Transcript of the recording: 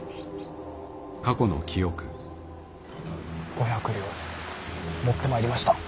５００両持ってまいりました。